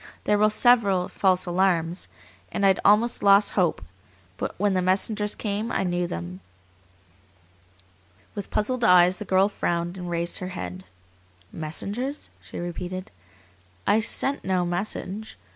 "There were several false alarms, and I'd almost lost hope, but when the messengers came I knew them." With puzzled eyes the girl frowned and raised her head. "Messengers?" she repeated. "I sent no message.